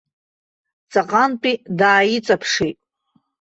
Ҵаҟантәи дааиҵаԥшит.